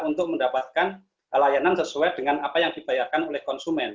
untuk mendapatkan layanan sesuai dengan apa yang dibayarkan oleh konsumen